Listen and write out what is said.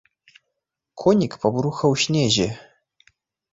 Конік па бруха ў снезе.